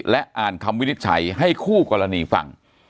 และอ่านคำวินิจฉัยให้คู่กรณีฟัง